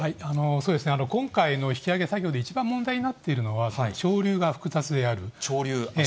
そうですね、今回の引き揚げ作業で一番問題になっているのは、潮流が複雑である。